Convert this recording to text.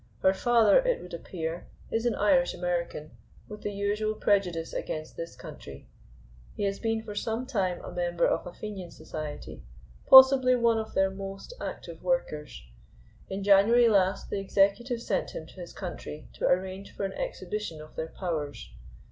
Her father, it would appear, is an Irish American, with the usual prejudice against this country. He has been for some time a member of a Fenian Society, possibly one of their most active workers. In January last the executive sent him to his country to arrange for an exhibition of their powers.